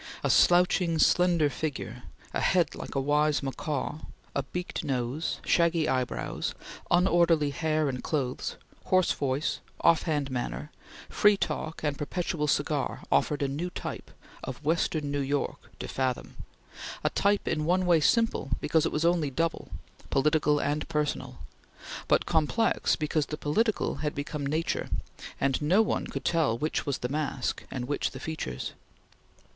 A slouching, slender figure; a head like a wise macaw; a beaked nose; shaggy eyebrows; unorderly hair and clothes; hoarse voice; offhand manner; free talk, and perpetual cigar, offered a new type of western New York to fathom; a type in one way simple because it was only double political and personal; but complex because the political had become nature, and no one could tell which was the mask and which the features.